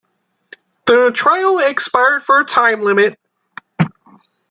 The trial expired for time limit.